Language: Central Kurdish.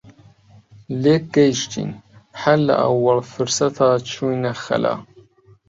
لێک گەیشتین هەر لە ئەووەڵ فرسەتا چووینە خەلا